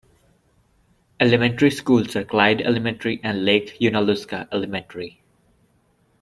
Elementary Schools are Clyde Elementary and Lake Junaluska Elementary.